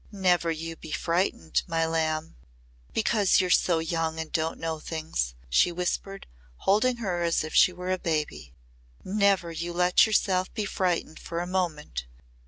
"Never you be frightened, my lamb because you're so young and don't know things," she whispered, holding her as if she were a baby. "Never you let yourself be frightened for a moment.